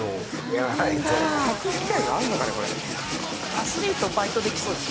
アスリートバイトできそうですよね。